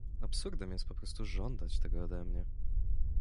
"Absurdem jest poprostu żądać tego ode mnie."